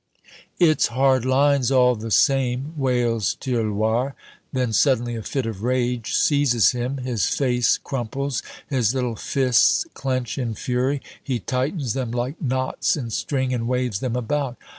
"It's hard lines all the same," wails Tirloir. Then suddenly a fit of rage seizes him, his face crumples, his little fists clench in fury, he tightens them like knots in string and waves them about.